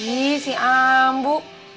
ih si ambu